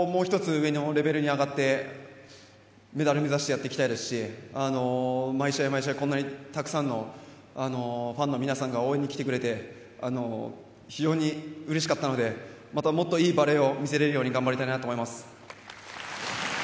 上のレベルに上がってメダル目指してやっていきたいですし毎試合、毎試合こんなたくさんのファンの皆さんが応援に来てくれて非常にうれしかったのでまたもっといいバレーを見せられるように頑張りたいと思います。